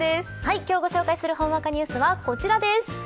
今日ご紹介するほんわかニュースはこちらです。